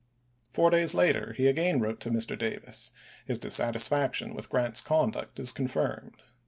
Four days later he wrote again to Mr. Davis ; his dissatisfaction with Grant's conduct is confirmed.